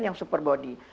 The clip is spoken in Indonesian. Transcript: yang super body